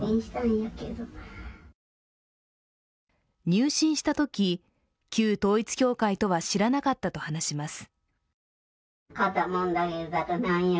入信したとき旧統一教会とは知らなかったと話します。